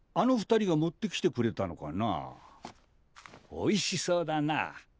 おいしそうだな。